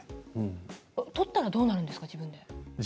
取ったらどうなるんですか。